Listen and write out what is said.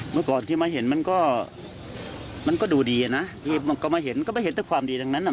เมื่อก่อนที่มาเห็นมันก็มันก็ดูดีนะที่มันก็มาเห็นก็ไม่เห็นแต่ความดีทั้งนั้น